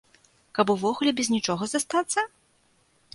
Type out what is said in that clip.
Каб увогуле без нічога застацца?